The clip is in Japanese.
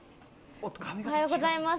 おはようございます。